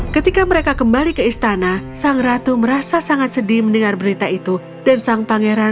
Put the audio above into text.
ketika mereka kembali ke istana sang ratu merasa sangat sedih mendengar berita itu dan sang pangeran